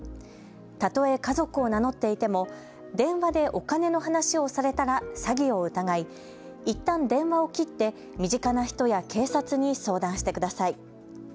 たとえ家族を名乗っていても電話でお金の話をされたら詐欺を疑いいったん電話を切って身近な人や警察に相談してください。